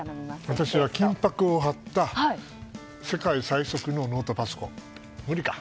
私は金箔を貼った世界最速のノートパソコン。